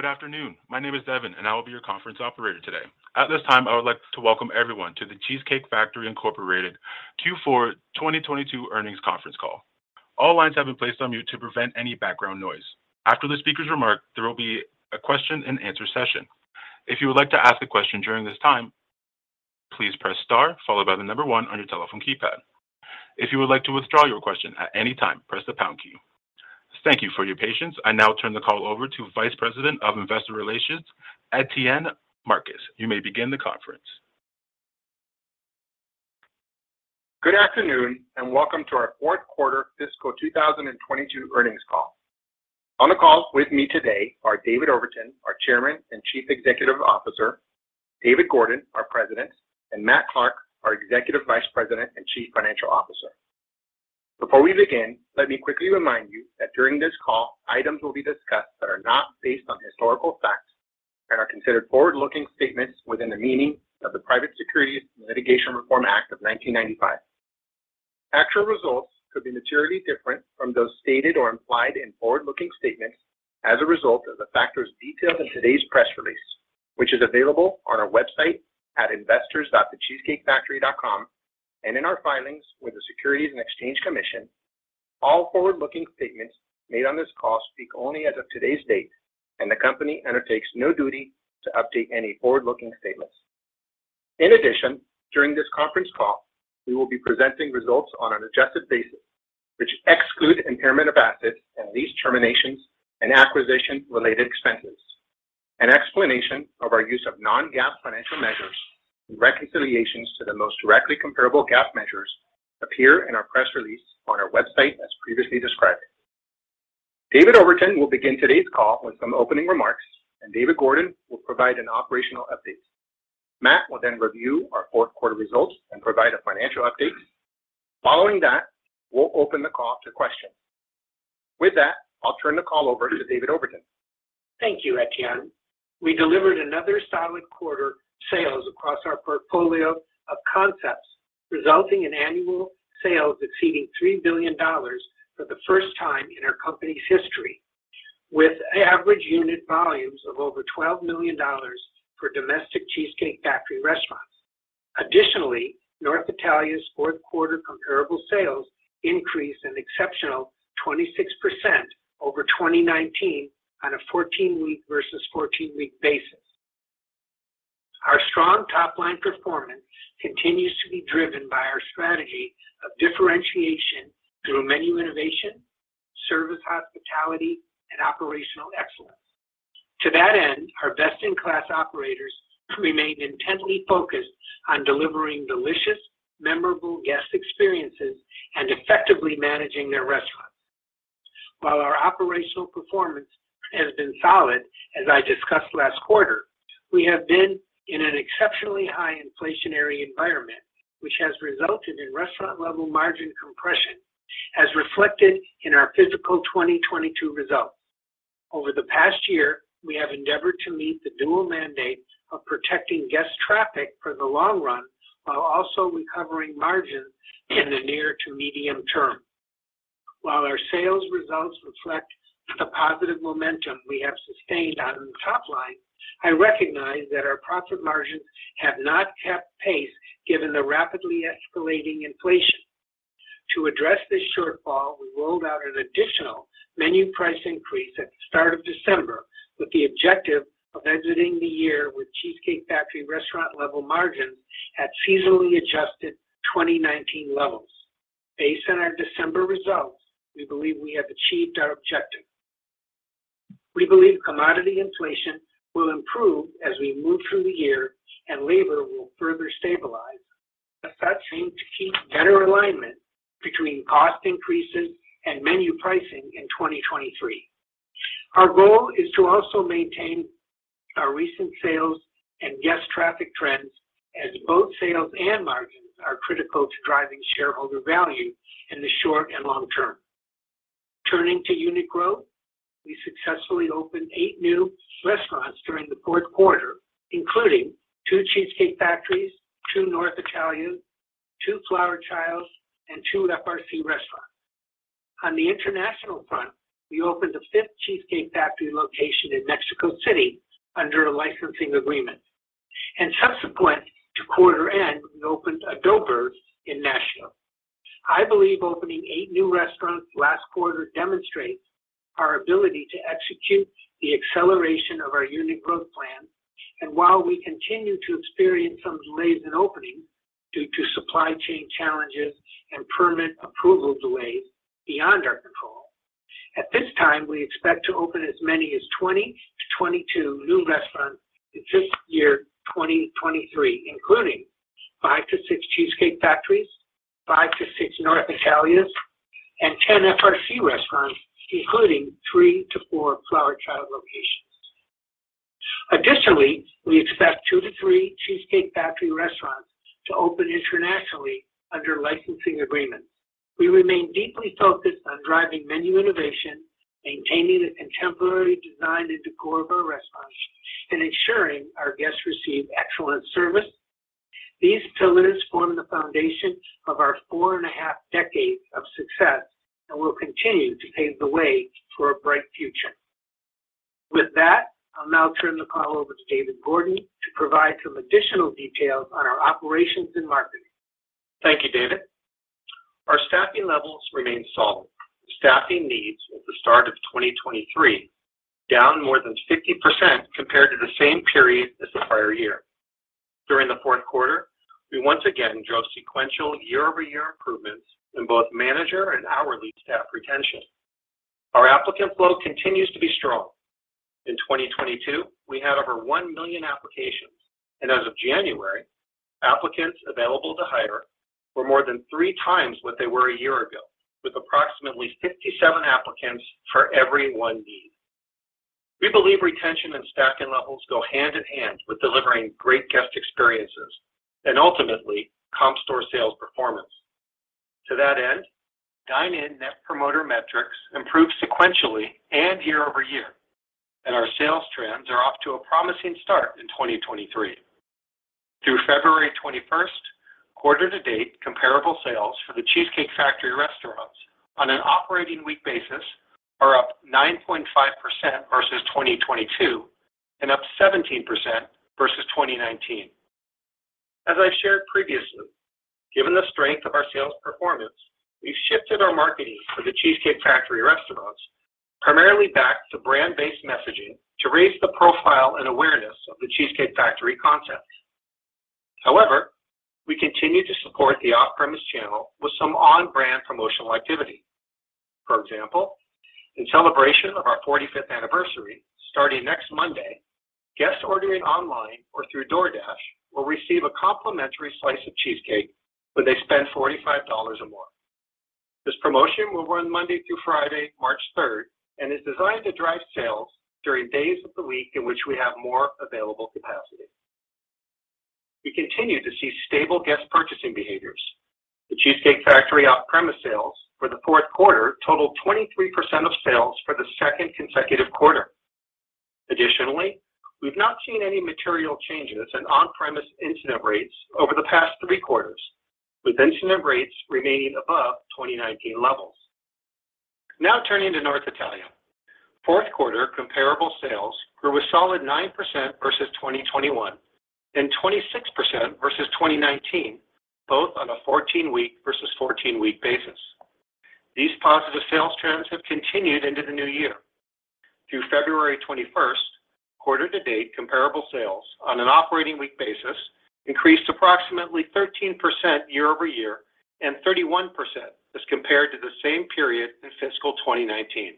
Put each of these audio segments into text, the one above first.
Good afternoon, my name is Evan, and I will be your conference operator today. At this time, I would like to welcome everyone to The Cheesecake Factory Incorporated Q4 2022 earnings conference call. All lines have been placed on mute to prevent any background noise. After the speaker's remarks, there will be a question-and-answer session. If you would like to ask a question during this time, please press star followed by the number one on your telephone keypad. If you would like to withdraw your question at any time, press the pound key. Thank you for your patience. I now turn the call over to Vice President of Investor Relations, Etienne Marcus. You may begin the conference. Good afternoon, welcome to our fourth quarter fiscal 2022 earnings call. On the call with me today are David Overton, our Chairman and Chief Executive Officer, David Gordon, our President, and Matt Clark, our Executive Vice President and Chief Financial Officer. Before we begin, let me quickly remind you that during this call, items will be discussed that are not based on historical facts and are considered forward-looking statements within the meaning of the Private Securities Litigation Reform Act of 1995. Actual results could be materially different from those stated or implied in forward-looking statements as a result of the factors detailed in today's press release, which is available on our website at investors.thecheesecakefactory.com and in our filings with the Securities and Exchange Commission. All forward-looking statements made on this call speak only as of today's date, and the company undertakes no duty to update any forward-looking statements. In addition, during this conference call, we will be presenting results on an adjusted basis, which exclude impairment of assets and lease terminations and acquisition-related expenses. An explanation of our use of non-GAAP financial measures and reconciliations to the most directly comparable GAAP measures appear in our press release on our website as previously described. David Overton will begin today's call with some opening remarks, and David Gordon will provide an operational update. Matt will then review our fourth quarter results and provide a financial update. Following that, we'll open the call to questions. With that, I'll turn the call over to David Overton. Thank you, Etienne. We delivered another solid quarter of sales across our portfolio of concepts, resulting in annual sales exceeding $3 billion for the first time in our company's history, with average unit volumes of over $12 million for domestic Cheesecake Factory restaurants. Additionally, North Italia's fourth quarter comparable sales increased an exceptional 26% over 2019 on a 14-week versus 14-week basis. Our strong top-line performance continues to be driven by our strategy of differentiation through menu innovation, service hospitality, and operational excellence. To that end, our best-in-class operators remain intently focused on delivering delicious, memorable guest experiences and effectively managing their restaurants. While our operational performance has been solid, as I discussed last quarter, we have been in an exceptionally high inflationary environment, which has resulted in restaurant level margin compression, as reflected in our fiscal 2022 results. Over the past year, we have endeavored to meet the dual mandate of protecting guest traffic for the long run while also recovering margins in the near to medium term. Our sales results reflect the positive momentum we have sustained on the top line, I recognize that our profit margins have not kept pace given the rapidly escalating inflation. To address this shortfall, we rolled out an additional menu price increase at the start of December with the objective of exiting the year with The Cheesecake Factory restaurant level margins at seasonally adjusted 2019 levels. Based on our December results, we believe we have achieved our objective. We believe commodity inflation will improve as we move through the year and labor will further stabilize. If that seems to keep better alignment between cost increases and menu pricing in 2023. Our goal is to also maintain our recent sales and guest traffic trends as both sales and margins are critical to driving shareholder value in the short and long term. Turning to unit growth, we successfully opened eight new restaurants during the fourth quarter, including two Cheesecake Factories, two North Italia, two Flower Child, and two FRC restaurants. On the international front, we opened the fifth Cheesecake Factory location in Mexico City under a licensing agreement. Subsequent to quarter end, we opened a Doughbird in Nashville. I believe opening eight new restaurants last quarter demonstrates our ability to execute the acceleration of our unit growth plan. While we continue to experience some delays in openings due to supply chain challenges and permit approval delays beyond our control, at this time, we expect to open as many as 20-22 new restaurants in fiscal year 2023, including five to six Cheesecake Factories, five to six North Italia, and 10 FRC restaurants, including three to four Flower Child locations. Additionally, we expect two to three Cheesecake Factory restaurants to open internationally under licensing agreements. We remain deeply focused on driving menu innovation, maintaining the contemporary design and decor of our restaurants, and ensuring our guests receive excellent service. These pillars form the foundation of our four and a half decades of success, and will continue to pave the way for a bright future. With that, I'll now turn the call over to David Gordon to provide some additional details on our operations and marketing. Thank you, David. Our staffing levels remain solid. Staffing needs at the start of 2023, down more than 50% compared to the same period as the prior year. During the fourth quarter, we once again drove sequential year-over-year improvements in both manager and hourly staff retention. Our applicant flow continues to be strong. In 2022, we had over one million applications, and as of January, applicants available to hire were more than three times what they were a year ago, with approximately 57 applicants for every one need. We believe retention and staffing levels go hand in hand with delivering great guest experiences and ultimately comp store sales performance. To that end, dine-in Net Promoter metrics improved sequentially and year-over-year, and our sales trends are off to a promising start in 2023. Through February 21st, quarter to date comparable sales for The Cheesecake Factory restaurants on an operating week basis are up 9.5% versus 2022, and up 17% versus 2019. As I've shared previously, given the strength of our sales performance, we've shifted our marketing for The Cheesecake Factory restaurants primarily back to brand-based messaging to raise the profile and awareness of The Cheesecake Factory concept. We continue to support the off-premise channel with some on-brand promotional activity. For example, in celebration of our 45th anniversary, starting next Monday, guests ordering online or through DoorDash will receive a complimentary slice of cheesecake when they spend $45 or more. This promotion will run Monday through Friday, March 3rd, and is designed to drive sales during days of the week in which we have more available capacity. We continue to see stable guest purchasing behaviors. The Cheesecake Factory off-premise sales for the fourth quarter totaled 23% of sales for the second consecutive quarter. We've not seen any material changes in on-premise incident rates over the past three quarters, with incident rates remaining above 2019 levels. Turning to North Italia. Fourth quarter comparable sales grew a solid 9% versus 2021, and 26% versus 2019, both on a 14-week versus 14-week basis. These positive sales trends have continued into the new year. Through February 21st, quarter to date comparable sales on an operating week basis increased approximately 13% year-over-year, and 31% as compared to the same period in fiscal 2019.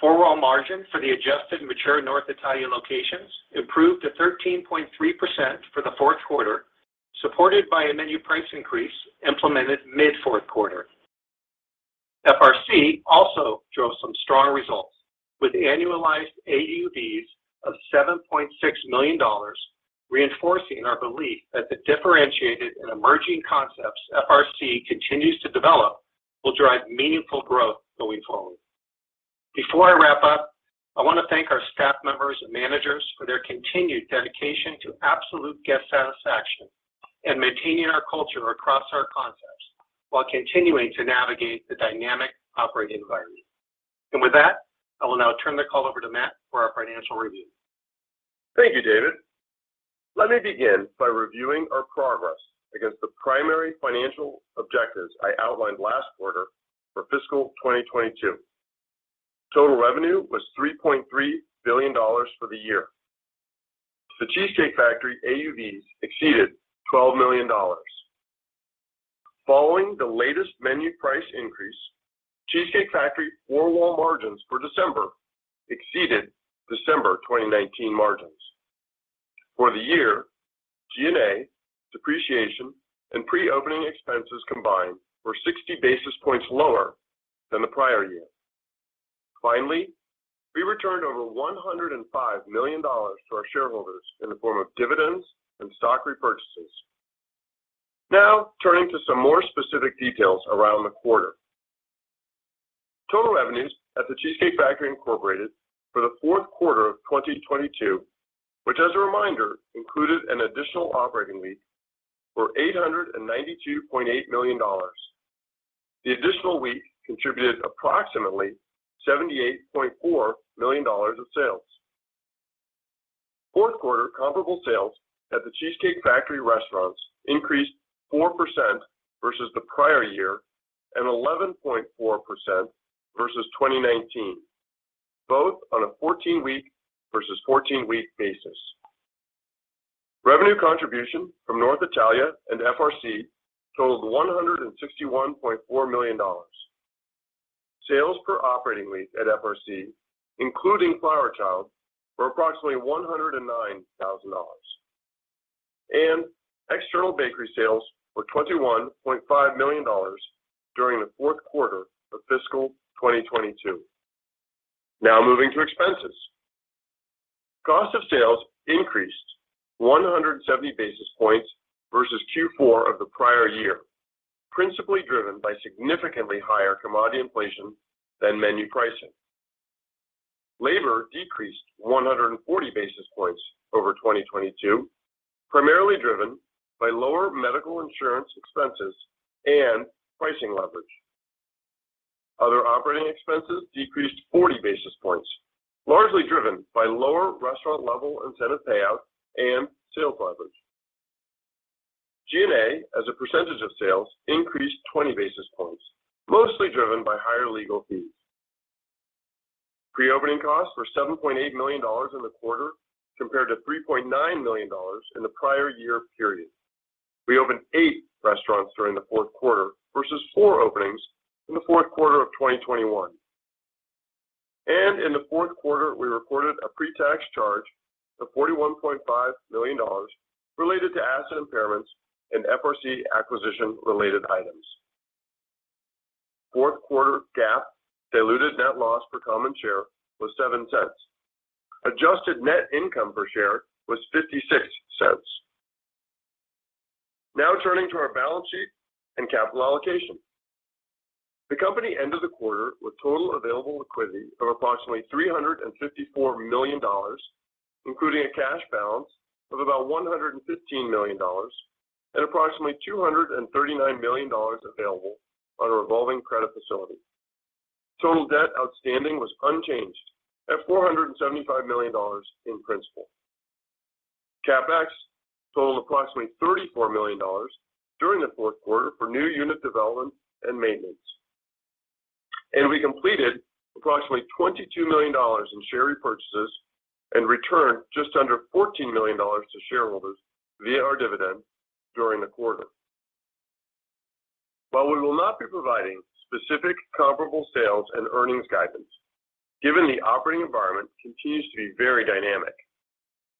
Four-wall margin for the adjusted mature North Italia locations improved to 13.3% for the fourth quarter, supported by a menu price increase implemented mid-fourth quarter. FRC also drove some strong results with annualized AUVs of $7.6 million, reinforcing our belief that the differentiated and emerging concepts FRC continues to develop will drive meaningful growth going forward. Before I wrap up, I want to thank our staff members and managers for their continued dedication to absolute guest satisfaction and maintaining our culture across our concepts while continuing to navigate the dynamic operating environment. With that, I will now turn the call over to Matt for our financial review. Thank you, David. Let me begin by reviewing our progress against the primary financial objectives I outlined last quarter for fiscal 2022. Total revenue was $3.3 billion for the year. The Cheesecake Factory AUVs exceeded $12 million. Following the latest menu price increase, Cheesecake Factory four wall margins for December exceeded December 2019 margins. For the year, G&A, depreciation, and pre-opening expenses combined were 60 basis points lower than the prior year. Finally, we returned over $105 million to our shareholders in the form of dividends and stock repurchases. Now turning to some more specific details around the quarter. Total revenues at The Cheesecake Factory Incorporated for the fourth quarter of 2022, which as a reminder, included an additional operating week, were $892.8 million. The additional week contributed approximately $78.4 million of sales. Fourth quarter comparable sales at the Cheesecake Factory restaurants increased 4% versus the prior year, and 11.4% versus 2019, both on a 14-week versus 14-week basis. Revenue contribution from North Italia and FRC totaled $161.4 million. Sales per operating week at FRC, including Flower Child, were approximately $109,000. External bakery sales were $21.5 million during the fourth quarter of fiscal 2022. Now moving to expenses. Cost of sales increased 170 basis points versus Q4 of the prior year, principally driven by significantly higher commodity inflation than menu pricing. Labor decreased 140 basis points over 2022, primarily driven by lower medical insurance expenses and pricing leverage. Other operating expenses decreased 40 basis points, largely driven by lower restaurant level incentive payout and sales leverage. G&A, as a percentage of sales, increased 20 basis points, mostly driven by higher legal fees. Pre-opening costs were $7.8 million in the quarter compared to $3.9 million in the prior year period. We opened eight restaurants during the fourth quarter versus 4 openings in the fourth quarter of 2021. In the fourth quarter, we recorded a pre-tax charge of $41.5 million related to asset impairments and FRC acquisition related items. Fourth quarter GAAP diluted net loss per common share was $0.07. Adjusted net income per share was $0.56. Now turning to our balance sheet and capital allocation. The company ended the quarter with total available liquidity of approximately $354 million, including a cash balance of about $115 million and approximately $239 million available on a revolving credit facility. Total debt outstanding was unchanged at $475 million in principle. CapEx totaled approximately $34 million during the fourth quarter for new unit development and maintenance. We completed approximately $22 million in share repurchases and returned just under $14 million to shareholders via our dividend during the quarter. While we will not be providing specific comparable sales and earnings guidance, given the operating environment continues to be very dynamic,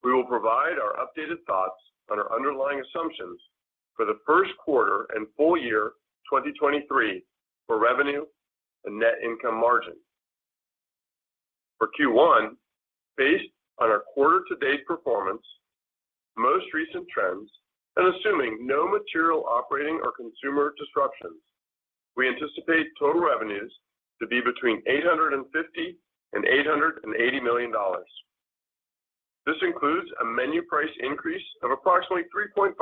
we will provide our updated thoughts on our underlying assumptions for the first quarter and full year 2023 for revenue and net income margin. For Q1, based on our quarter to date performance, most recent trends, and assuming no material operating or consumer disruptions, we anticipate total revenues to be between $850 million and $880 million. This includes a menu price increase of approximately 3.5%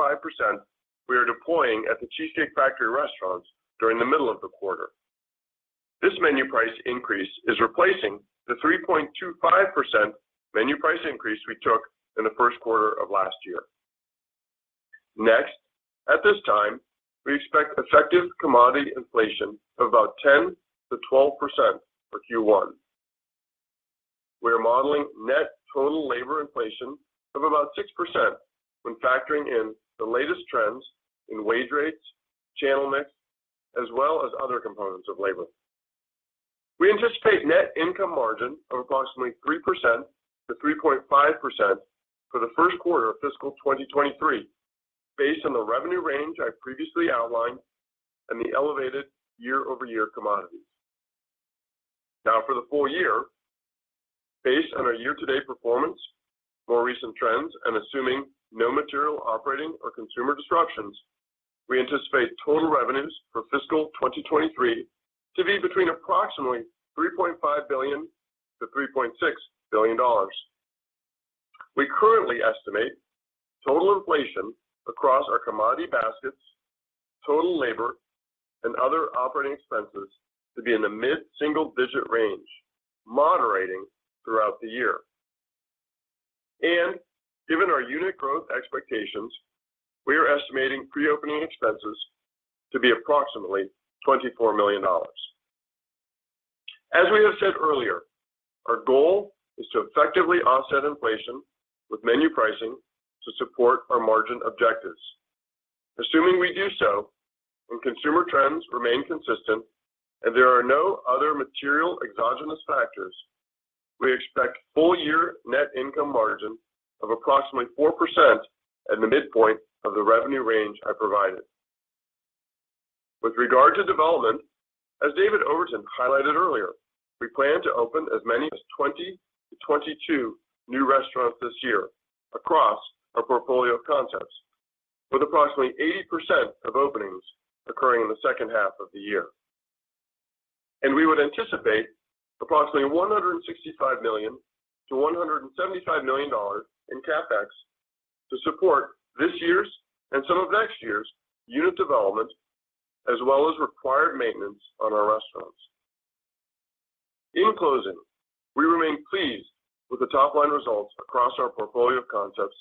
we are deploying at The Cheesecake Factory restaurants during the middle of the quarter. This menu price increase is replacing the 3.25% menu price increase we took in the first quarter of last year. Next, at this time, we expect effective commodity inflation of about 10%-12% for Q1. We are modeling net total labor inflation of about 6% when factoring in the latest trends in wage rates, channel mix, as well as other components of labor. We anticipate net income margin of approximately 3%-3.5% for the first quarter of fiscal 2023 based on the revenue range I previously outlined and the elevated year-over-year commodities. For the full year, based on our year-to-date performance, more recent trends, and assuming no material operating or consumer disruptions, we anticipate total revenues for fiscal 2023 to be between approximately $3.5 billion-$3.6 billion. We currently estimate total inflation across our commodity baskets, total labor, and other operating expenses to be in the mid-single digit range, moderating throughout the year. Given our unit growth expectations, we are estimating pre-opening expenses to be approximately $24 million. As we have said earlier, our goal is to effectively offset inflation with menu pricing to support our margin objectives. Assuming we do so, when consumer trends remain consistent and there are no other material exogenous factors, we expect full year net income margin of approximately 4% at the midpoint of the revenue range I provided. With regard to development, as David Overton highlighted earlier, we plan to open as many as 20-22 new restaurants this year across our portfolio of concepts, with approximately 80% of openings occurring in the second half of the year. We would anticipate approximately $165 million-$175 million in CapEx to support this year's and some of next year's unit development, as well as required maintenance on our restaurants. In closing, we remain pleased with the top-line results across our portfolio of concepts.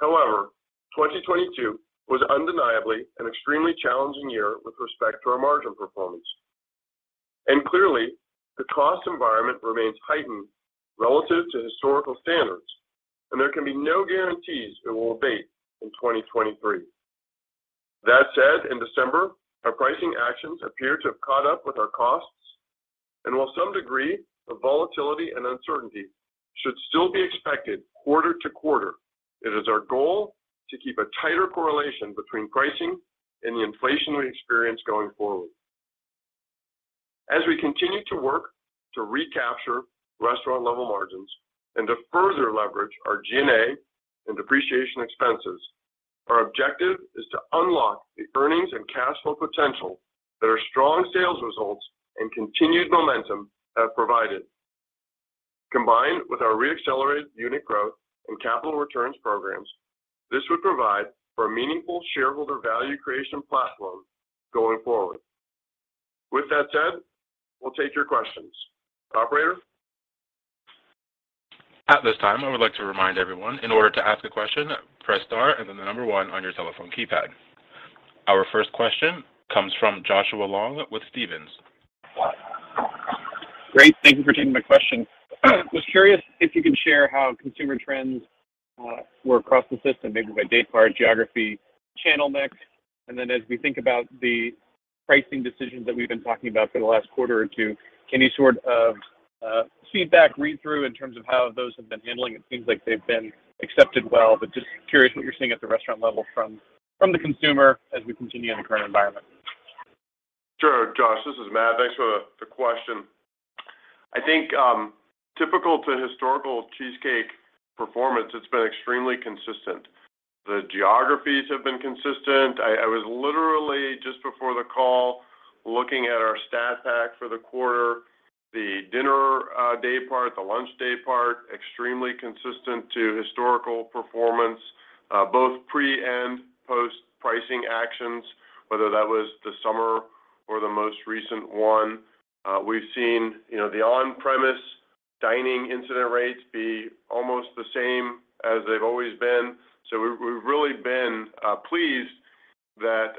However, 2022 was undeniably an extremely challenging year with respect to our margin performance. Clearly, the cost environment remains heightened relative to historical standards, and there can be no guarantees it will abate in 2023. That said, in December, our pricing actions appear to have caught up with our costs. While some degree of volatility and uncertainty should still be expected quarter to quarter, it is our goal to keep a tighter correlation between pricing and the inflationary experience going forward. As we continue to work to recapture restaurant level margins and to further leverage our G&A and depreciation expenses. Our objective is to unlock the earnings and cash flow potential that our strong sales results and continued momentum have provided. Combined with our reaccelerated unit growth and capital returns programs, this would provide for a meaningful shareholder value creation platform going forward. With that said, we'll take your questions. Operator? At this time, I would like to remind everyone, in order to ask a question, press star and then the number one on your telephone keypad. Our first question comes from Joshua Long with Stephens. Great. Thank you for taking my question. I was curious if you can share how consumer trends were across the system, maybe by daypart, geography, channel mix. As we think about the pricing decisions that we've been talking about for the last quarter or two, any sort of feedback read through in terms of how those have been handling? It seems like they've been accepted well, just curious what you're seeing at the restaurant level from the consumer as we continue in the current environment. Sure, Josh. This is Matt. Thanks for the question. I think, typical to historical Cheesecake performance, it's been extremely consistent. The geographies have been consistent. I was literally just before the call looking at our stat pack for the quarter. The dinner daypart, the lunch daypart, extremely consistent to historical performance, both pre- and post-pricing actions, whether that was the summer or the most recent one. We've seen, you know, the on-premise dining incident rates be almost the same as they've always been. We've really been pleased that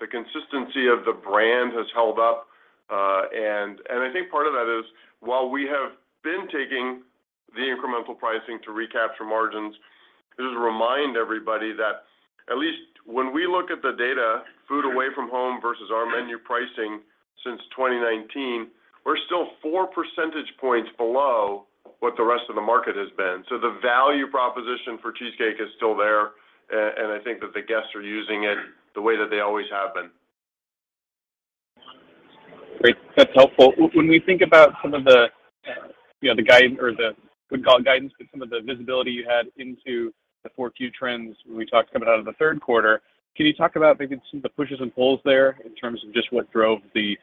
the consistency of the brand has held up. I think part of that is, while we have been taking the incremental pricing to recapture margins, just to remind everybody that at least when we look at the data, food away from home versus our menu pricing since 2019, we're still four percentage points below what the rest of the market has been. The value proposition for Cheesecake is still there, and I think that the guests are using it the way that they always have been. Great. That's helpful. When we think about some of the, you know, the or the, we call it guidance, but some of the visibility you had into the four Q trends when we talked coming out of the third quarter, can you talk about maybe some of the pushes and pulls there in terms of just what drove the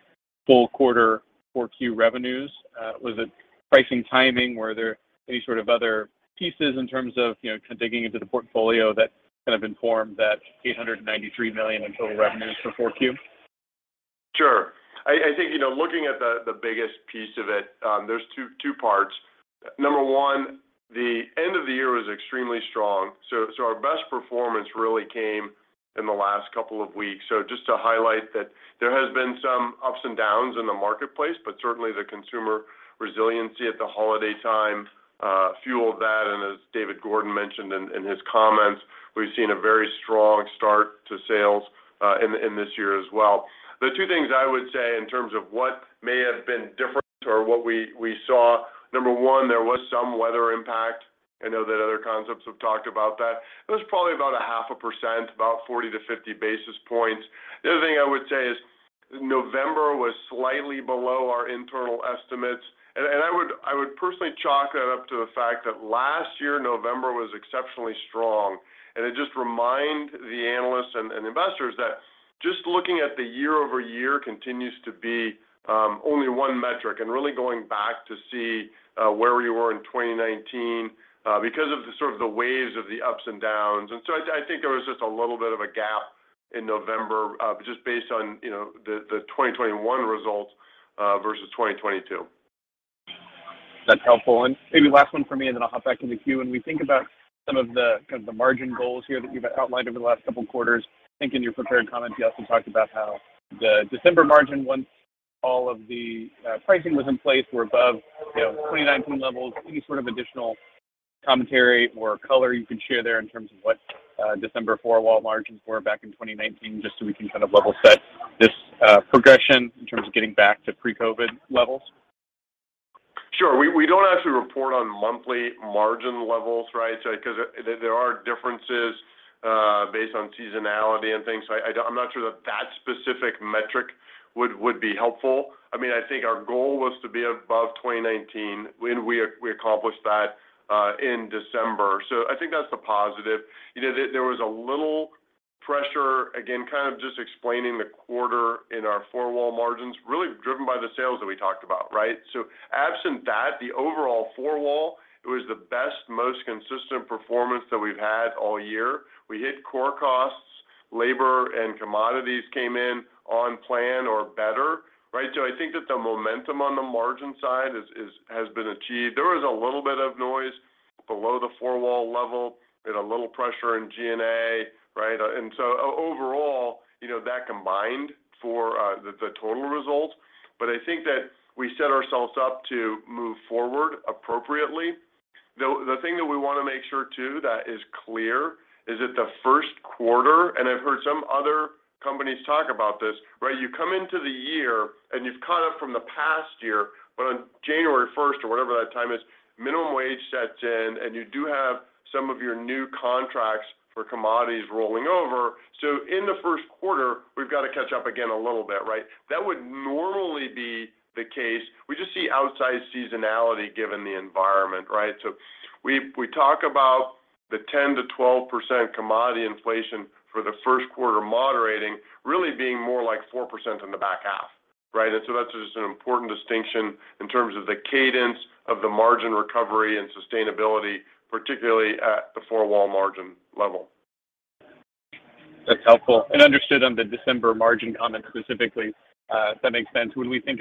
full quarter four Q revenues? Was it pricing, timing? Were there any sort of other pieces in terms of, you know, kind of digging into the portfolio that kind of informed that $893 million in total revenues for four Q? Sure. I think, you know, looking at the biggest piece of it, there's two parts. Number one, the end of the year was extremely strong, so our best performance really came in the last couple of weeks. Just to highlight that there has been some ups and downs in the marketplace, but certainly the consumer resiliency at the holiday time fueled that. As David Gordon mentioned in his comments, we've seen a very strong start to sales in this year as well. The two things I would say in terms of what may have been different or what we saw, number one, there was some weather impact. I know that other concepts have talked about that. It was probably about a half a percent, about 40 to 50 basis points. The other thing I would say is November was slightly below our internal estimates. I would personally chalk that up to the fact that last year, November was exceptionally strong. I just remind the analysts and investors that just looking at the year-over-year continues to be only one metric, and really going back to see where we were in 2019 because of the sort of the waves of the ups and downs. I think there was just a little bit of a gap in November, just based on, you know, the 2021 results versus 2022. That's helpful. Maybe last one for me, and then I'll hop back in the queue. When we think about some of the kind of the margin goals here that you've outlined over the last couple quarters, I think in your prepared comments, you also talked about how the December margin, once all of the pricing was in place, were above, you know, 2019 levels. Any sort of additional commentary or color you can share there in terms of what December four-wall margins were back in 2019, just so we can kind of level set this progression in terms of getting back to pre-COVID levels? Sure. We don't actually report on monthly margin levels, right? Because there are differences, based on seasonality and things. I'm not sure that that specific metric would be helpful. I mean, I think our goal was to be above 2019 when we accomplished that in December. I think that's the positive. You know, there was a little pressure, again, kind of just explaining the quarter in our four-wall margins, really driven by the sales that we talked about, right? Absent that, the overall four-wall, it was the best, most consistent performance that we've had all year. We hit core costs. Labor and commodities came in on plan or better, right? I think that the momentum on the margin side is has been achieved. There was a little bit of noise below the four-wall level and a little pressure in G&A, right? Overall, you know, that combined for the total results. I think that we set ourselves up to move forward appropriately. The thing that we wanna make sure too that is clear is that the first quarter, and I've heard some other companies talk about this, right? You come into the year, and you've caught up from the past year, but on January 1st or whatever that time is, minimum wage sets in, and you do have some of your new contracts for commodities rolling over. In the first quarter, we've got to catch up again a little bit, right? That would normally be the case. We just see outside seasonality given the environment, right? We talk about the 10%-12% commodity inflation for the first quarter moderating really being more like 4% in the back half, right? That's just an important distinction in terms of the cadence of the margin recovery and sustainability, particularly at the four-wall margin level. That's helpful. Understood on the December margin comment specifically, if that makes sense. When we think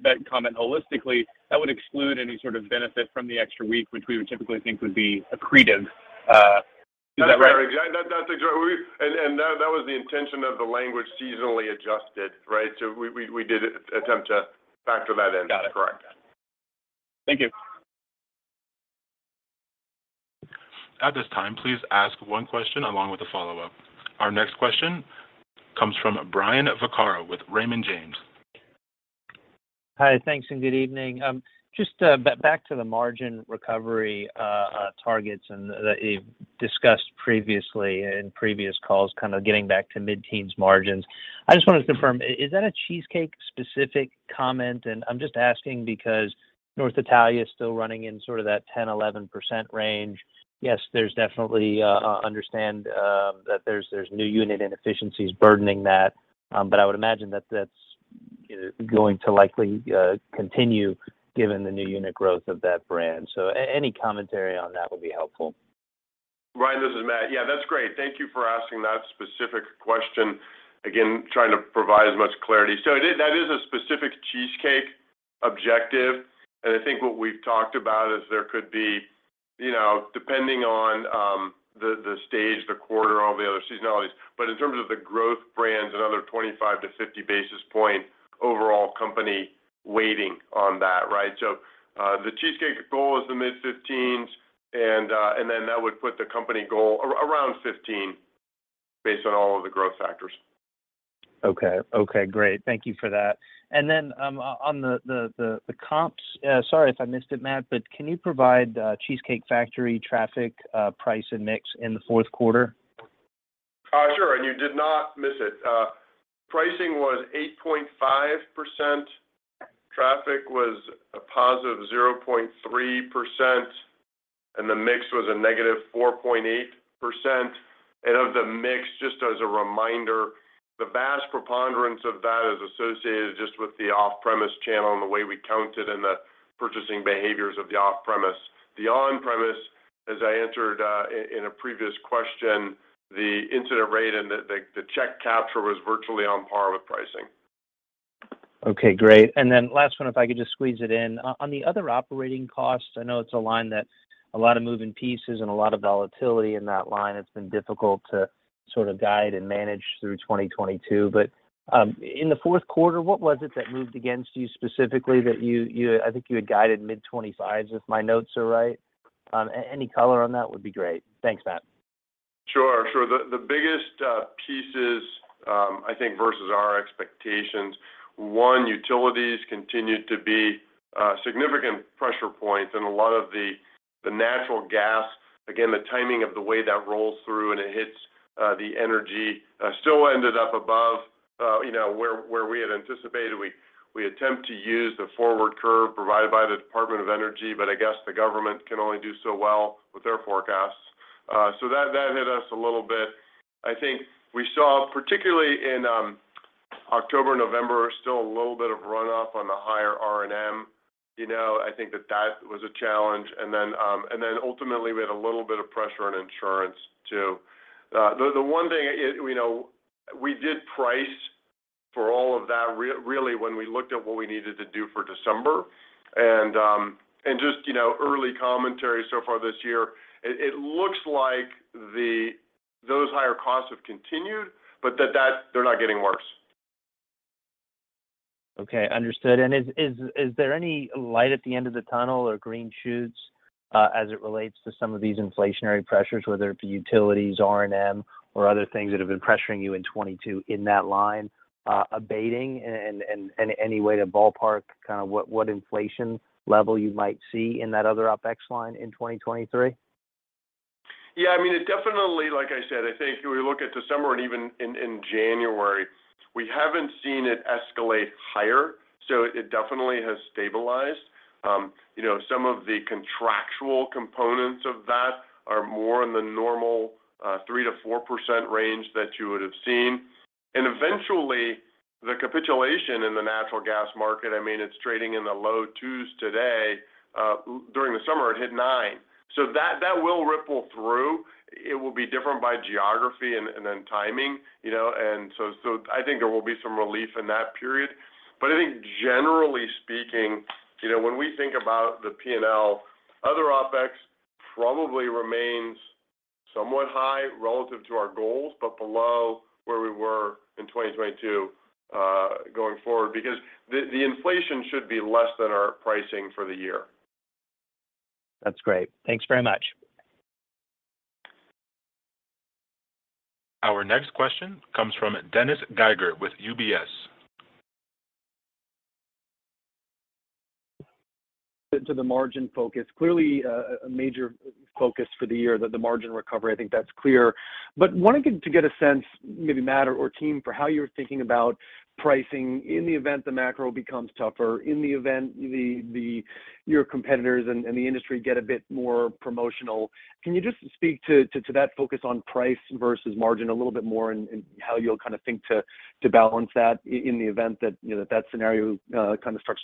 about that comment holistically, that would exclude any sort of benefit from the extra week, which we would typically think would be accretive. Is that right? That's exactly. That was the intention of the language seasonally adjusted, right? We did attempt to factor that in. Got it. Correct. Thank you. At this time, please ask one question along with a follow-up. Our next question comes from Brian Vaccaro with Raymond James. Hi, thanks and good evening. Just back to the margin recovery targets that you've discussed previously in previous calls, kind of getting back to mid-teens margins. I just wanna confirm, is that a Cheesecake specific comment? I'm just asking because North Italia is still running in sort of that 10-11% range. There's definitely understand that there's new unit inefficiencies burdening that. I would imagine that that's going to likely continue given the new unit growth of that brand. Any commentary on that would be helpful. Brian, this is Matt. Yeah, that's great. Thank you for asking that specific question. Again, trying to provide as much clarity. That is a specific Cheesecake objective. I think what we've talked about is there could be, you know, depending on the stage, the quarter, all the other seasonalities. In terms of the growth brands, another 25-50 basis point overall company weighting on that, right? The Cheesecake goal is the mid-15s, and then that would put the company goal around 15 based on all of the growth factors. Okay. Okay, great. Thank you for that. On the comps, sorry if I missed it, Matt, but can you provide Cheesecake Factory traffic, price, and mix in the fourth quarter? Sure, and you did not miss it. Pricing was 8.5%. Traffic was a positive 0.3%, and the mix was a negative 4.8%. Of the mix, just as a reminder, the vast preponderance of that is associated just with the off-premise channel and the way we counted and the purchasing behaviors of the off-premise. The on-premise, as I answered, in a previous question, the incident rate and the check capture was virtually on par with pricing. Okay, great. Then last one, if I could just squeeze it in. On the other operating costs, I know it's a line that a lot of moving pieces and a lot of volatility in that line. It's been difficult to sort of guide and manage through 2022. In the fourth quarter, what was it that moved against you specifically that you, I think you had guided mid-25s if my notes are right. Any color on that would be great. Thanks, Matt. Sure. The biggest pieces, I think versus our expectations, one, utilities continued to be a significant pressure point. A lot of the natural gas, again, the timing of the way that rolls through and it hits the energy, still ended up above, you know, where we had anticipated. We attempt to use the forward curve provided by the Department of Energy, but I guess the government can only do so well with their forecasts. That hit us a little bit. I think we saw, particularly in October, November, still a little bit of runoff on the higher R&M. You know, I think that was a challenge. Then ultimately, we had a little bit of pressure on insurance too. The one thing is, you know, we did price for all of that really when we looked at what we needed to do for December. Just, you know, early commentary so far this year, it looks like those higher costs have continued, but that they're not getting worse. Okay, understood. Is there any light at the end of the tunnel or green shoots, as it relates to some of these inflationary pressures, whether it be utilities, R&M or other things that have been pressuring you in 2022 in that line, abating? Any way to ballpark kinda what inflation level you might see in that other OpEx line in 2023? Yeah. I mean, it definitely, like I said, I think if you look at December and even in January, we haven't seen it escalate higher, so it definitely has stabilized. You know, some of the contractual components of that are more in the normal 3%-4% range that you would have seen. Eventually, the capitulation in the natural gas market, I mean, it's trading in the low twos today. During the summer, it hit $9. That will ripple through. It will be different by geography and then timing, you know. I think there will be some relief in that period. I think generally speaking, you know, when we think about the P&L, other OpEx probably remains somewhat high relative to our goals, but below where we were in 2022 going forward. The inflation should be less than our pricing for the year. That's great. Thanks very much. Our next question comes from Dennis Geiger with UBS. To the margin focus. Clearly a major focus for the year that the margin recovery, I think that's clear. Wanted to get a sense, maybe Matt or team, for how you're thinking about pricing in the event the macro becomes tougher, in the event the your competitors and the industry get a bit more promotional. Can you just speak to that focus on price versus margin a little bit more and how you'll kind of think to balance that in the event that, you know, that scenario kind of starts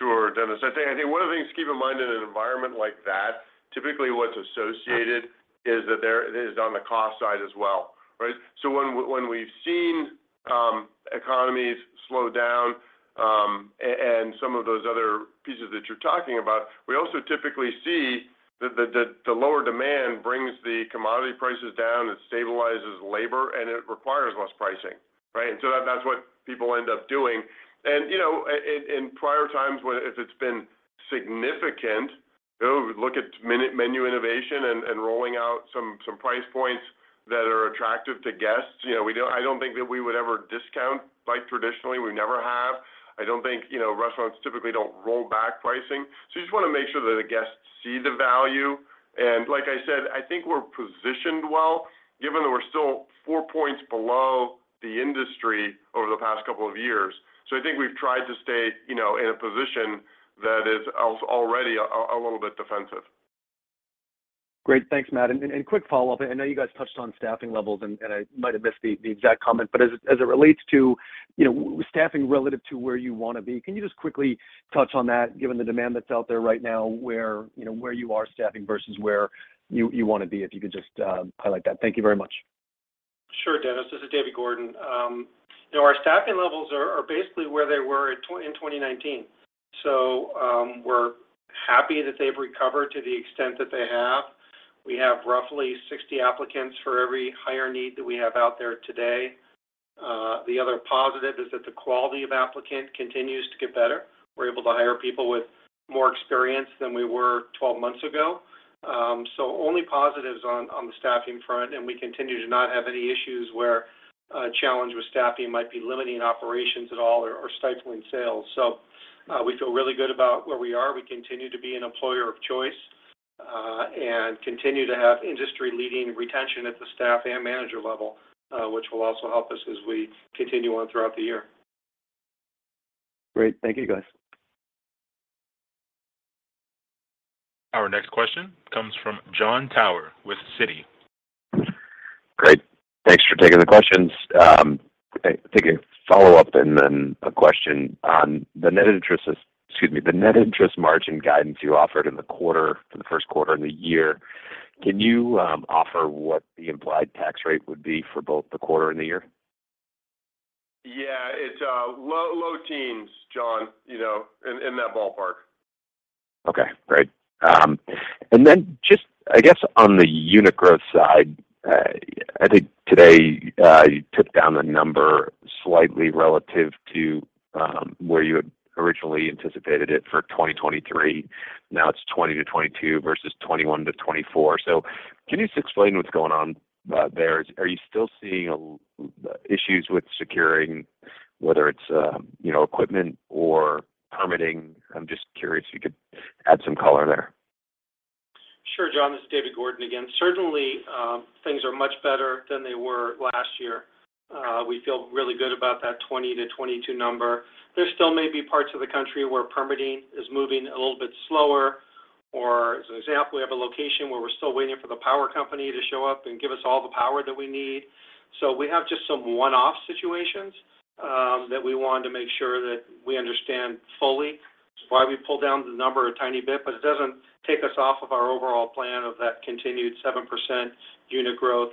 to play out? Sure, Dennis. I think one of the things to keep in mind in an environment like that, typically what's associated is that there is on the cost side as well, right? When we've seen economies slow down and some of those other pieces that you're talking about, we also typically see that the lower demand brings the commodity prices down, it stabilizes labor, and it requires less pricing, right? So that's what people end up doing. You know, in prior times, if it's been significant, you know, we look at menu innovation and rolling out some price points that are attractive to guests. You know, I don't think that we would ever discount like traditionally. We never have. I don't think, you know, restaurants typically don't roll back pricing. You just wanna make sure that the guests see the value. Like I said, I think we're positioned well, given that we're still four points below the industry over the past couple of years. I think we've tried to stay, you know, in a position that is already a little bit defensive. Great. Thanks, Matt. Quick follow-up. I know you guys touched on staffing levels, and I might have missed the exact comment. As it relates to, you know, staffing relative to where you wanna be, can you just quickly touch on that, given the demand that's out there right now, where, you know, where you are staffing versus where you wanna be? If you could just highlight that. Thank you very much. Sure, Dennis. This is David Gordon. You know, our staffing levels are basically where they were in 2019. We're happy that they've recovered to the extent that they have. We have roughly 60 applicants for every higher need that we have out there today. The other positive is that the quality of applicant continues to get better. We're able to hire people with more experience than we were 12 months ago. Only positives on the staffing front, and we continue to not have any issues where a challenge with staffing might be limiting operations at all or stifling sales. We feel really good about where we are. We continue to be an employer of choice, and continue to have industry-leading retention at the staff and manager level, which will also help us as we continue on throughout the year. Great. Thank you, guys. Our next question comes from Jon Tower with Citi. Great. Thanks for taking the questions. I think a follow-up and then a question on the net interest, excuse me, the net interest margin guidance you offered for the first quarter and the year. Can you offer what the implied tax rate would be for both the quarter and the year? Yeah. It's low teens, Jon, you know, in that ballpark. Okay. Great. Just, I guess, on the unit growth side, I think today, you took down the number slightly relative to, where you had originally anticipated it for 2023. Now it's 20-22 versus 21-24. Can you just explain what's going on, there? Are you still seeing, issues with securing, whether it's, you know, equipment or permitting? I'm just curious if you could add some color there. Sure, Jon. This is David Gordon again. Certainly, things are much better than they were last year. We feel really good about that 20-22 number. There still may be parts of the country where permitting is moving a little bit slower. As an example, we have a location where we're still waiting for the power company to show up and give us all the power that we need. We have just some one-off situations that we want to make sure that we understand fully. That's why we pulled down the number a tiny bit, it doesn't take us off of our overall plan of that continued 7% unit growth.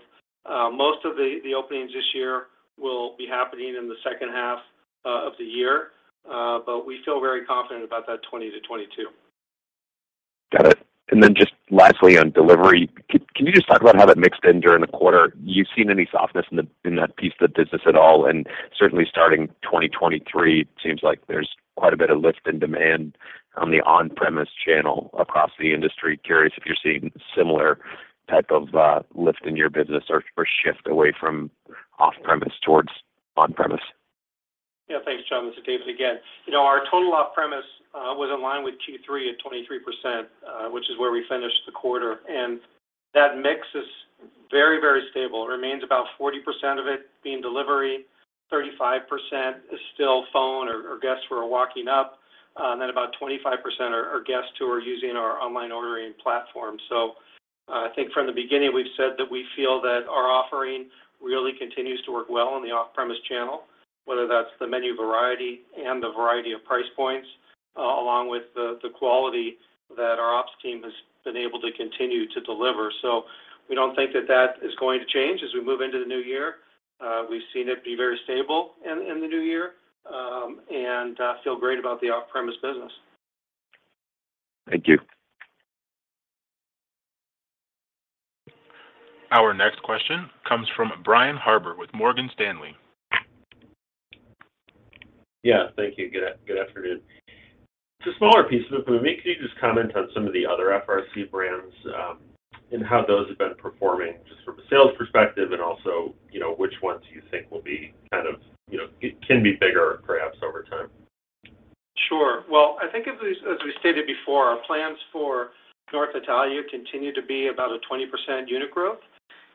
Most of the openings this year will be happening in the second half of the year, we feel very confident about that 20-22. Got it. Then just lastly on delivery, can you just talk about how that mixed in during the quarter? You've seen any softness in that piece of the business at all? Certainly starting 2023, seems like there's quite a bit of lift in demand on the on-premise channel across the industry. Curious if you're seeing similar type of lift in your business or shift away from off-premise towards on-premise. Yeah. Thanks, John. This is David again. You know, our total off-premise was in line with Q3 at 23%, which is where we finished the quarter. That mix is very, very stable. It remains about 40% of it being delivery, 35% is still phone or guests who are walking up, and then about 25% are guests who are using our online ordering platform. I think from the beginning, we've said that we feel that our offering really continues to work well in the off-premise channel, whether that's the menu variety and the variety of price points, along with the quality that our ops team has been able to continue to deliver. We don't think that that is going to change as we move into the new year. We've seen it be very stable in the new year, and feel great about the off-premise business. Thank you. Our next question comes from Brian Harbour with Morgan Stanley. Yeah. Thank you. Good afternoon. It's a smaller piece of the movie. Can you just comment on some of the other FRC brands? How those have been performing just from a sales perspective and also, you know, which ones you think will be kind of, you know, can be bigger perhaps over time. Sure. Well, I think as we stated before, our plans for North Italia continue to be about a 20% unit growth.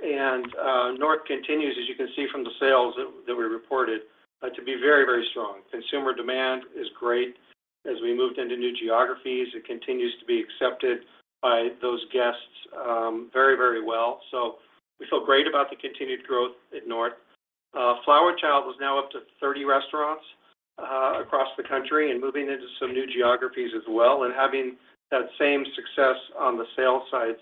North continues, as you can see from the sales that we reported, to be very, very strong. Consumer demand is great. As we moved into new geographies, it continues to be accepted by those guests very, very well. We feel great about the continued growth at North. Flower Child is now up to 30 restaurants across the country and moving into some new geographies as well and having that same success on the sales side.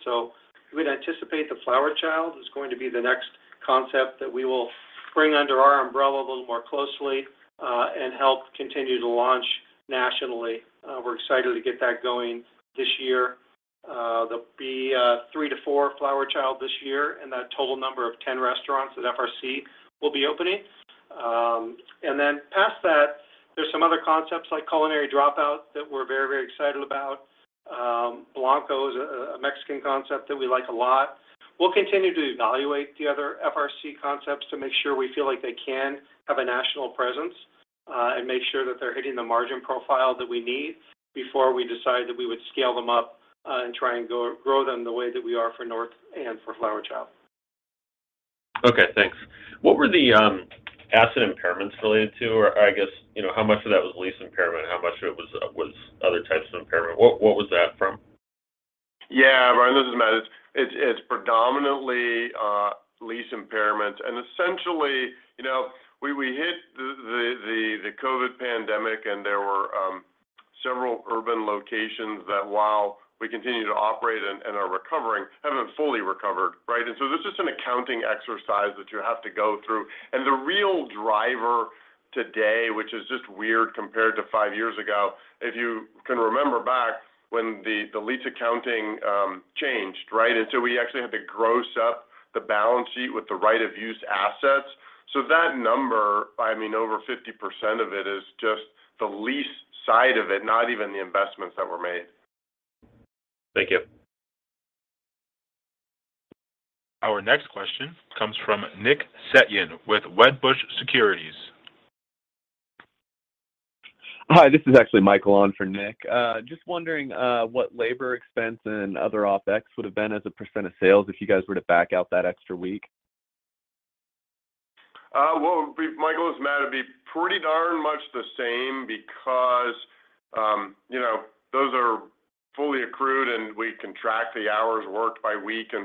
We'd anticipate Flower Child is going to be the next concept that we will bring under our umbrella a little more closely and help continue to launch nationally. We're excited to get that going this year. There'll be three to four Flower Child this year and that total number of 10 restaurants that FRC will be opening. Past that, there's some other concepts like Culinary Dropout that we're very excited about. Blanco is a Mexican concept that we like a lot. We'll continue to evaluate the other FRC concepts to make sure we feel like they can have a national presence and make sure that they're hitting the margin profile that we need before we decide that we would scale them up and try and grow them the way that we are for North and for Flower Child. Okay, thanks. What were the asset impairments related to? Or I guess, you know, how much of that was lease impairment? How much of it was other types of impairment? What was that from? Yeah. Brian, this is Matt. It's predominantly lease impairments. Essentially, you know, we hit the COVID pandemic and there were several urban locations that while we continue to operate and are recovering, haven't fully recovered, right? This is just an accounting exercise that you have to go through. The real driver today, which is just weird compared to five years ago, if you can remember back when the lease accounting changed, right? We actually had to gross up the balance sheet with the right-of-use assets. That number, I mean, over 50% of it is just the lease side of it, not even the investments that were made. Thank you. Our next question comes from Nick Setyan with Wedbush Securities. Hi, this is actually Michael on for Nick. Just wondering what labor expense and other OpEx would have been as a % of sales if you guys were to back out that extra week. Well, Michael, this is Matt. It'd be pretty darn much the same because, you know, those are fully accrued, and we can track the hours worked by week. You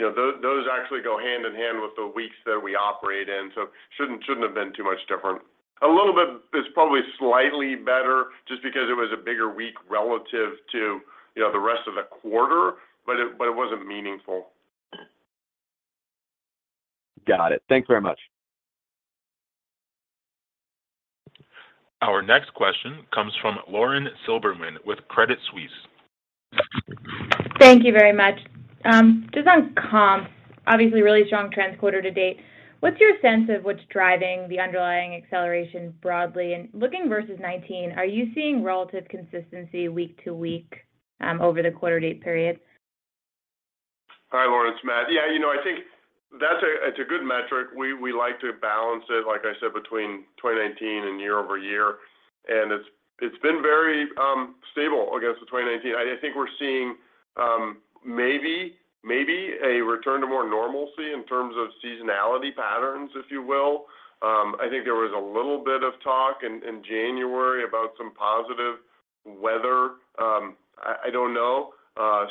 know, those actually go hand in hand with the weeks that we operate in. Shouldn't have been too much different. A little bit is probably slightly better just because it was a bigger week relative to, you know, the rest of the quarter, but it, but it wasn't meaningful. Got it. Thanks very much. Our next question comes from Lauren Silberman with Credit Suisse. Thank you very much. Just on comp, obviously really strong trans quarter to date. What's your sense of what's driving the underlying acceleration broadly? Looking versus 19, are you seeing relative consistency week-to-week over the quarter date period? Hi, Lauren. It's Matt. Yeah, you know, I think that's a good metric. We like to balance it, like I said, between 2019 and year-over-year. It's been very stable against the 2019. I think we're seeing a return to more normalcy in terms of seasonality patterns, if you will. I think there was a little bit of talk in January about some positive weather. I don't know.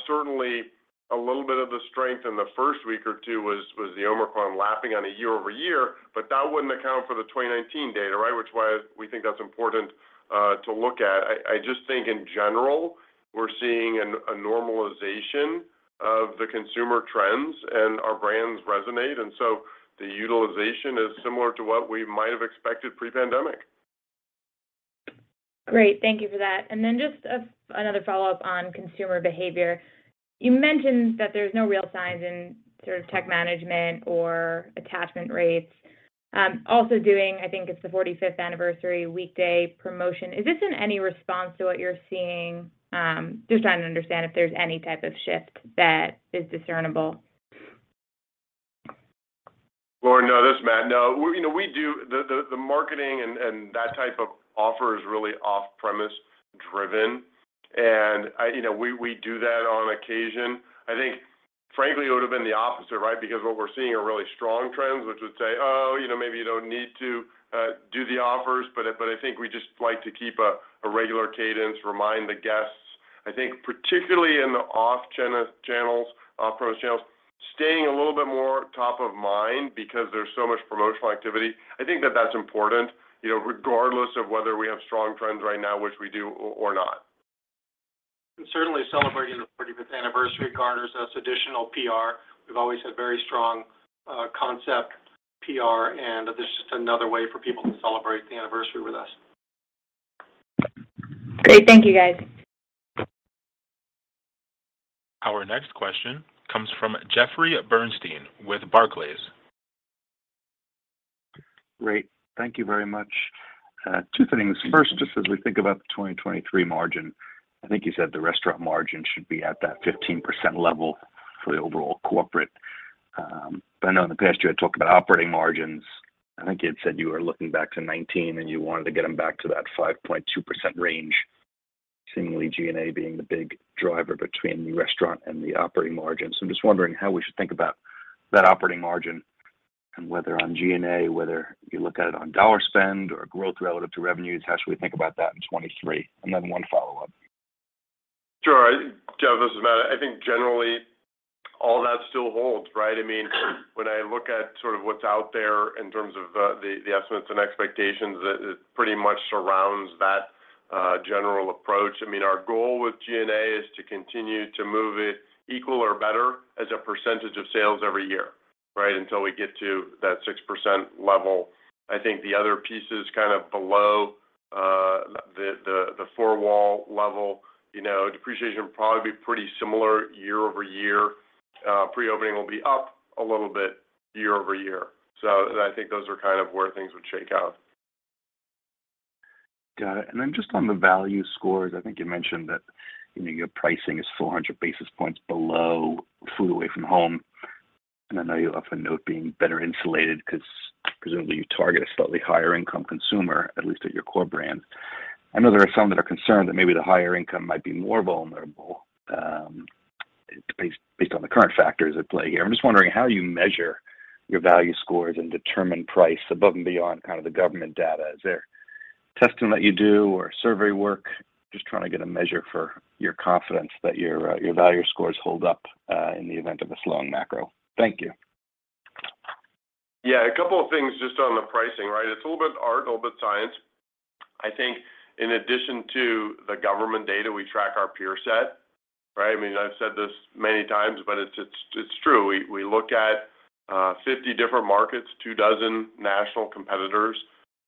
Certainly a little bit of the strength in the first week or two was the Omicron lapping on a year-over-year, but that wouldn't account for the 2019 data, right? Which is why we think that's important to look at. I just think in general, we're seeing a normalization of the consumer trends and our brands resonate. The utilization is similar to what we might have expected pre-pandemic. Great. Thank you for that. Then just another follow-up on consumer behavior. You mentioned that there's no real signs in sort of tech management or attachment rates. Also doing, I think it's the 45th anniversary weekday promotion. Is this in any response to what you're seeing? Just trying to understand if there's any type of shift that is discernible. Lauren, no. This is Matt. No. You know, the marketing and that type of offer is really off-premise driven. I, you know, we do that on occasion. I think frankly, it would have been the opposite, right? What we're seeing are really strong trends, which would say, "Oh, you know, maybe you don't need to do the offers." I think we just like to keep a regular cadence, remind the guests. I think particularly in the off-premise channels, staying a little bit more top of mind because there's so much promotional activity. I think that's important, you know, regardless of whether we have strong trends right now, which we do or not. Certainly celebrating the 45th anniversary garners us additional PR. We've always had very strong concept PR, and this is just another way for people to celebrate the anniversary with us. Great. Thank you, guys. Our next question comes from Jeffrey Bernstein with Barclays. Great. Thank you very much. Two things. First, just as we think about the 2023 margin, I think you said the restaurant margin should be at that 15% level for the overall corporate. I know in the past year, I talked about operating margins. I think you had said you were looking back to 2019 and you wanted to get them back to that 5.2% range, seemingly G&A being the big driver between the restaurant and the operating margins. I'm just wondering how we should think about that operating margin and whether on G&A, whether you look at it on dollar spend or growth relative to revenues, how should we think about that in 2023? One follow-up. Sure. Jeff, this is Matt. I think generally all that still holds, right? I mean, when I look at sort of what's out there in terms of the estimates and expectations, it pretty much surrounds that general approach. I mean, our goal with G&A is to continue to move it equal or better as a percentage of sales every year, right, until we get to that 6% level. I think the other pieces kind of below the, the four-wall level. You know, depreciation will probably be pretty similar year-over-year. Pre-opening will be up a little bit year-over-year. I think those are kind of where things would shake out. Got it. Just on the value scores, I think you mentioned that, you know, your pricing is 400 basis points below food away from home. I know you often note being better insulated 'cause presumably you target a slightly higher income consumer, at least at your core brands. I know there are some that are concerned that maybe the higher income might be more vulnerable, based on the current factors at play here. I'm just wondering how you measure your value scores and determine price above and beyond kind of the government data. Is there testing that you do or survey work? Just trying to get a measure for your confidence that your value scores hold up in the event of a slowing macro. Thank you. A couple of things just on the pricing, right? It's a little bit art, a little bit science. I think in addition to the government data, we track our peer set, right? I mean, I've said this many times, but it's true. We look at 50 different markets, two dozen national competitors,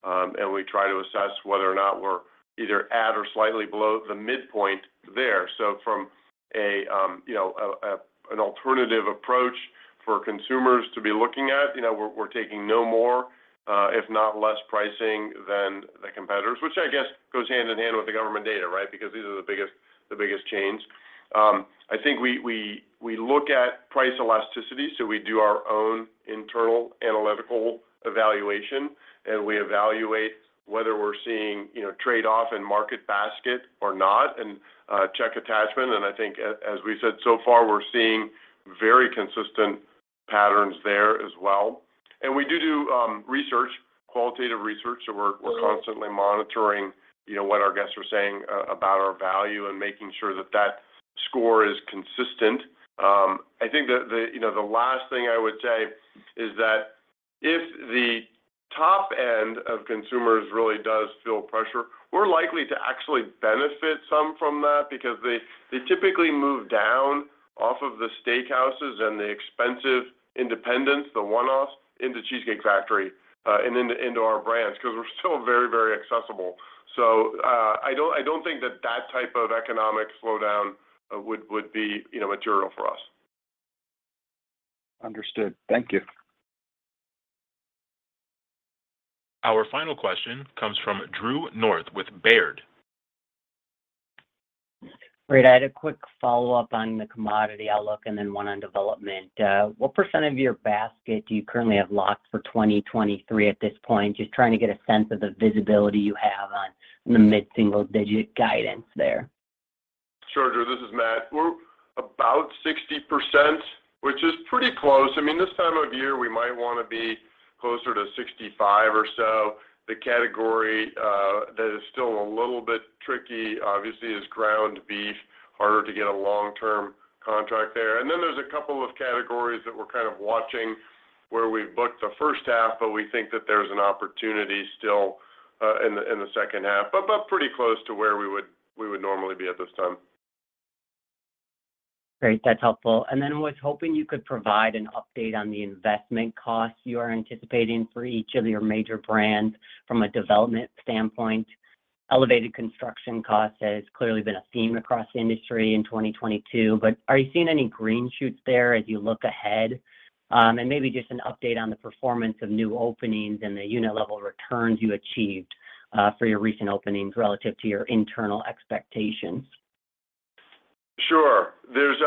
and we try to assess whether or not we're either at or slightly below the midpoint there. From an alternative approach for consumers to be looking at, we're taking no more, if not less pricing than the competitors, which I guess goes hand in hand with the government data, right? Because these are the biggest chains. I think we look at price elasticity, so we do our own internal analytical evaluation, and we evaluate whether we're seeing, you know, trade-off in market basket or not and check attachment. I think as we said so far, we're seeing very consistent patterns there as well. We do do research, qualitative research. So we're constantly monitoring, you know, what our guests are saying about our value and making sure that that score is consistent. I think the, you know, the last thing I would say is that if the top end of consumers really does feel pressure, we're likely to actually benefit some from that because they typically move down off of the steakhouses and the expensive independents, the one-offs, into Cheesecake Factory, and into our brands 'cause we're still very, very accessible. I don't, I don't think that that type of economic slowdown would be, you know, material for us. Understood. Thank you. Our final question comes from David Tarantino with Baird. Great. I had a quick follow-up on the commodity outlook and then one on development. What percentage of your basket do you currently have locked for 2023 at this point? Just trying to get a sense of the visibility you have on the mid-single digit guidance there. Sure, Drew. This is Matt. We're about 60%, which is pretty close. I mean, this time of year, we might wanna be closer to 65 or so. The category that is still a little bit tricky obviously is ground beef. Harder to get a long-term contract there. There's a couple of categories that we're kind of watching where we've booked the first half, but we think that there's an opportunity still in the, in the second half. Pretty close to where we would normally be at this time. Great. That's helpful. Then was hoping you could provide an update on the investment costs you are anticipating for each of your major brands from a development standpoint. Elevated construction costs has clearly been a theme across the industry in 2022, but are you seeing any green shoots there as you look ahead? Maybe just an update on the performance of new openings and the unit level returns you achieved for your recent openings relative to your internal expectations. Sure. There's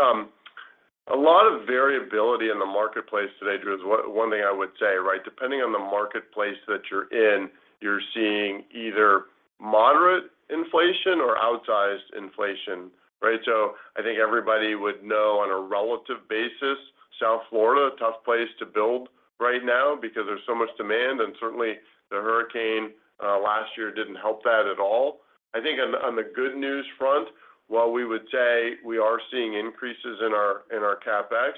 a lot of variability in the marketplace today, Drew, is one thing I would say, right? Depending on the marketplace that you're in, you're seeing either moderate inflation or outsized inflation, right? I think everybody would know on a relative basis, South Florida, a tough place to build right now because there's so much demand, and certainly the hurricane last year didn't help that at all. I think on the good news front, while we would say we are seeing increases in our CapEx,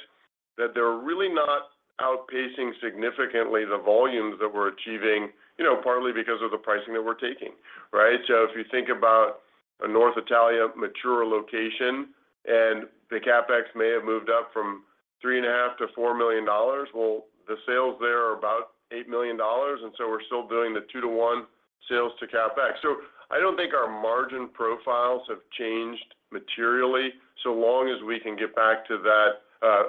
that they're really not outpacing significantly the volumes that we're achieving, you know, partly because of the pricing that we're taking, right? If you think about a North Italia mature location, and the CapEx may have moved up from three and a half million dollars to $4 million. The sales there are about $8 million, we're still doing the two to one Sales to CapEx. I don't think our margin profiles have changed materially so long as we can get back to that,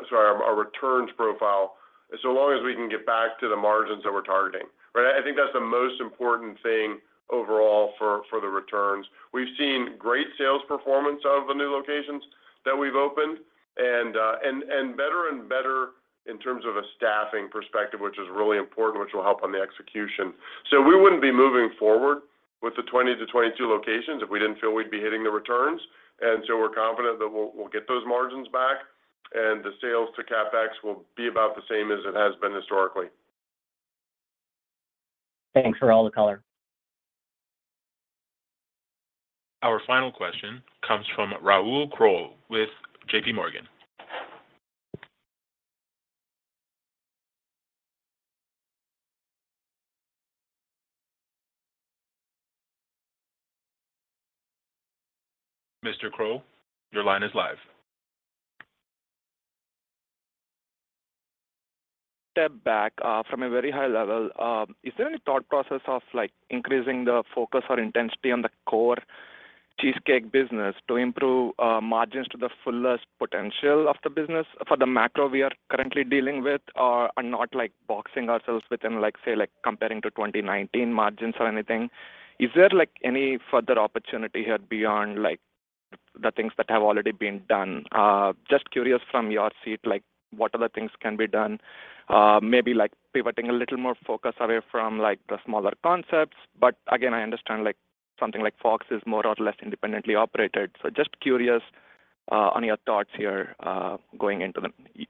sorry, our returns profile, so long as we can get back to the margins that we're targeting, right? I think that's the most important thing overall for the returns. We've seen great sales performance out of the new locations that we've opened and better and better in terms of a staffing perspective, which is really important, which will help on the execution. We wouldn't be moving forward with the 20 to 22 locations if we didn't feel we'd be hitting the returns. We're confident that we'll get those margins back, and the sales to CapEx will be about the same as it has been historically. Thanks for all the color. Our final question comes from Rahul Kalia with JP Morgan. Mr. Kalia, your line is live. Step back, from a very high level, is there any thought process of, like, increasing the focus or intensity on the core Cheesecake business to improve margins to the fullest potential of the business for the macro we are currently dealing with or, and not, like, boxing ourselves within, like, say, like, comparing to 2019 margins or anything? Is there, like, any further opportunity here beyond, like, the things that have already been done? Just curious from your seat, like, what other things can be done, maybe, like, pivoting a little more focus away from, like, the smaller concepts. Again, I understand, like, something like Fox is more or less independently operated. Just curious on your thoughts here, going into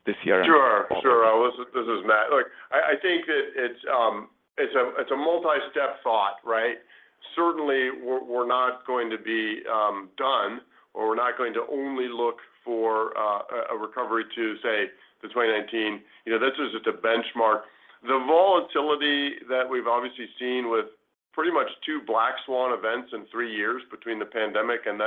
this year. Sure. Sure, Rahul. This is Matt. Look, I think that it's a multi-step thought, right? Certainly, we're not going to be done, or we're not going to only look for a recovery to, say, the 2019. You know, that's just a benchmark. The volatility that we've obviously seen with pretty much two black swan events in three years between the pandemic and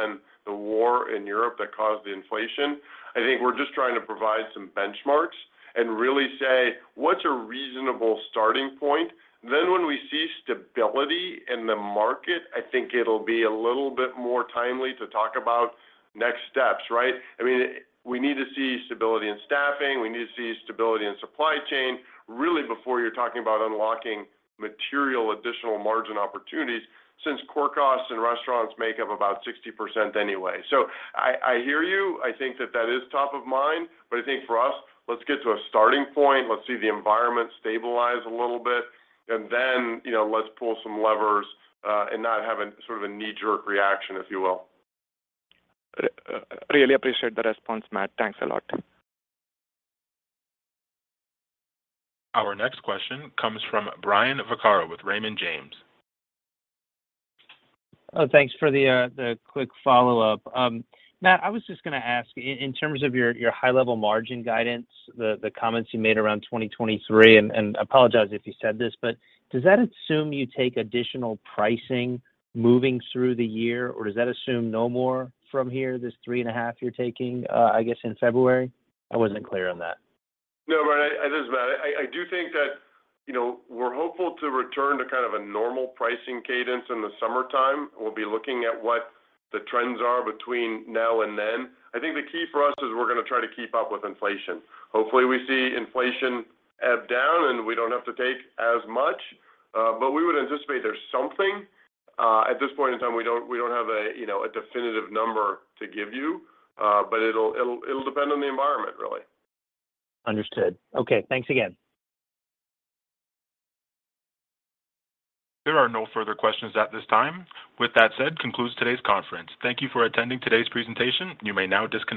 the war in Europe that caused the inflation, I think we're just trying to provide some benchmarks and really say, what's a reasonable starting point? When we see stability in the market, I think it'll be a little bit more timely to talk about next steps, right? I mean, we need to see stability in staffing, we need to see stability in supply chain, really before you're talking about unlocking material additional margin opportunities since core costs in restaurants make up about 60% anyway. I hear you. I think that that is top of mind. I think for us, let's get to a starting point. Let's see the environment stabilize a little bit, and then, you know, let's pull some levers, and not have a sort of a knee-jerk reaction, if you will. Really appreciate the response, Matt. Thanks a lot. Our next question comes from Brian Vaccaro with Raymond James. Thanks for the quick follow-up. Matt, I was just gonna ask in terms of your high-level margin guidance, the comments you made around 2023. Apologize if you said this, but does that assume you take additional pricing moving through the year, or does that assume no more from here, this 3.5% you're taking, I guess in February? I wasn't clear on that. No, Brian. This is Matt. I do think that, you know, we're hopeful to return to kind of a normal pricing cadence in the summertime. We'll be looking at what the trends are between now and then. I think the key for us is we're gonna try to keep up with inflation. Hopefully, we see inflation ebb down, and we don't have to take as much, but we would anticipate there's something. At this point in time, we don't, we don't have a, you know, a definitive number to give you, but it'll depend on the environment, really. Understood. Okay. Thanks again. There are no further questions at this time. With that said concludes today's conference. Thank you for attending today's presentation. You may now disconnect.